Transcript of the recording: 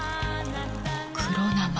黒生！